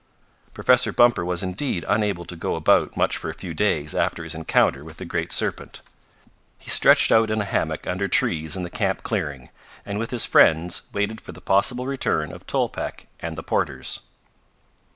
Professor Bumper was indeed unable to go about much for a few days after his encounter with the great serpent. He stretched out in a hammock under trees in the camp clearing, and with his friends waited for the possible return of Tolpec and the porters.